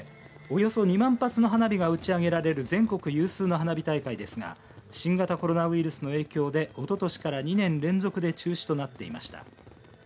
およそ２万発の花火が打ち上げられる全国有数の花火大会ですが新型コロナウイルスの影響でおととしから２年連続で中止となっていました。